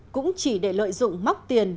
cũng chỉ để lợi dụng móc tiền